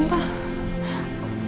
mama gak dateng